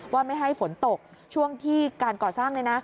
ว่าไม่ให้ฝนตกช่วงที่การก่อสร้างเลยนะ